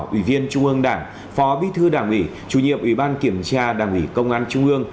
ủy viên trung ương đảng phó bí thư đảng ủy chủ nhiệm ủy ban kiểm tra đảng ủy công an trung ương